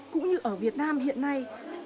cũng như ở việt nam hiện nay